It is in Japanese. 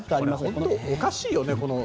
本当におかしいよね。